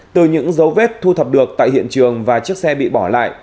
từ những dấu vết thu thập được tại hiện trường và chiếc xe bị bỏ lại